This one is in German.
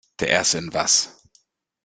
Der Erste in was?